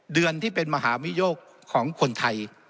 เดือนที่เป็นมหาวิโยคของคนไทย